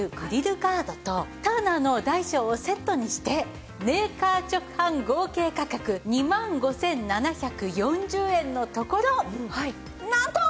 ターナーの大小をセットにしてメーカー直販合計価格２万５７４０円のところなんと！